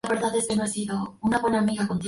Cada cápsula contiene uno o dos huevos.